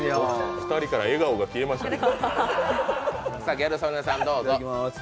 ２人から笑顔が消えましたね。